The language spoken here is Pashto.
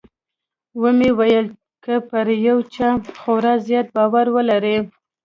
ومې ويل که پر يو چا خورا زيات باور ولرې.